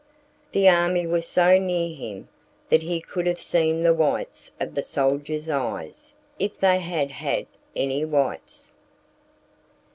The army was so near him that he could have seen the whites of the soldier's eyes if they had had any whites.